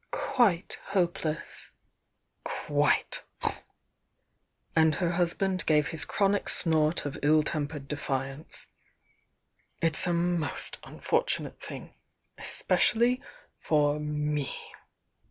"Quite hopeless!" yuite. And her husband gave his chronic snort of ill tempered defiance. "It's a most unfortunate thing— especially for me.